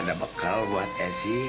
ada bekal buat esi